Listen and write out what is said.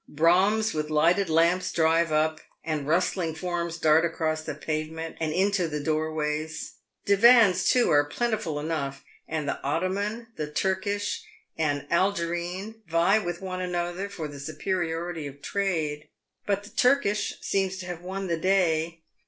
Broughams with lighted lamps drive up, and rustling forms dart across the pavement and into the doorways. Divans, too, are plentiful enough, and the " Ottoman," the " Turkish," and the "Algerine," vie with one another for the superiority of trade; but the " Turkish" seems to have won the day.